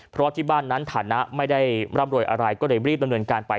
เพราะที่บ้านนั้นฐานะไม่ได้ร่ำรวยอะไรก็เลยรีบดำเนินการไป